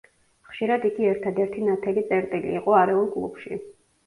ხშირად იგი ერთადერთი ნათელი წერტილი იყო არეულ კლუბში.